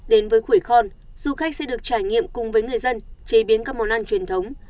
đến với quỷ khon du khách sẽ được trải nghiệm cùng với người dân chế biến các món ăn truyền thống